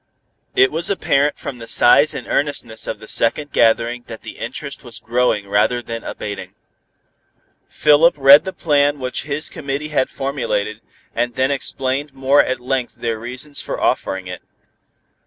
It was apparent from the size and earnestness of the second gathering that the interest was growing rather than abating. Philip read the plan which his committee had formulated, and then explained more at length their reasons for offering it.